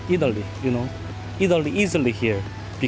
ada banyak yang menarik seperti di sini